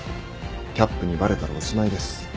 キャップにバレたらおしまいです。